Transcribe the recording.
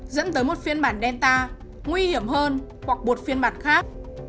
dẫn tới một phiên bản delta nguy hiểm hơn hoặc một phiên bản khác